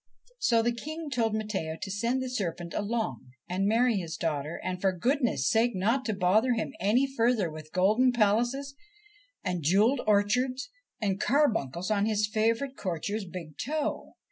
So the King told Matteo to send the serpent along and marry his daughter, and for goodness' sake not to bother him any further with golden palaces, and jewelled orchards, and carbuncles on his favourite courtier's big toe.